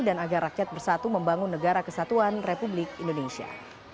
dan agar rakyat bersatu membangun negara kesatuan republik indonesia